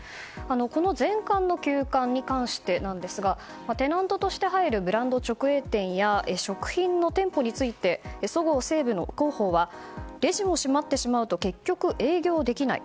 この全館の休館に関してテナントとして入るブランド直営店や食品の店舗についてそごう・西武の広報はレジも閉まってしまうと結局、営業できない。